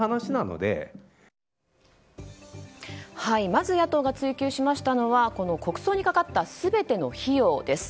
まず、野党が追及しましたのは国葬にかかった全ての費用です。